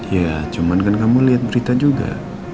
ya cuman kan kamu lihat berita juga